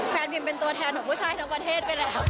แฟนพิมเป็นตัวแทนของผู้ชายทั้งประเทศ